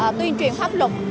về tuyên truyền pháp luật